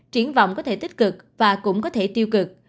triển vọng có thể tích cực và cũng có thể tiêu cực